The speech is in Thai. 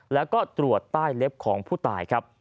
แล้วก็ตรวจใต้เล็บของผู้ตายครับ